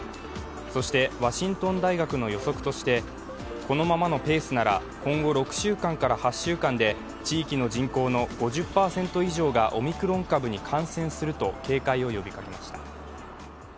そしてワシントン大学の予測としてこのままのペースなら今後６週間から８週間で地域の人口の５０％がオミクロン株に感染すると警戒を呼びかけました。